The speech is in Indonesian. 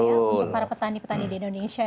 ya untuk para petani petani di indonesia